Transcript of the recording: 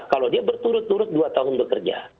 kalau dia berturut turut dua tahun bekerja